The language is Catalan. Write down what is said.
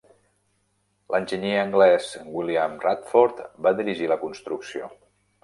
L'enginyer anglès William Radford va dirigir la construcció.